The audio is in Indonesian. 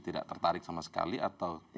tidak tertarik sama sekali atau